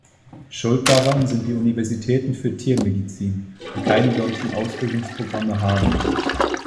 Schuld daran sind die Universitäten für Tiermedizin, die keine solchen Ausbildungsprogramme haben.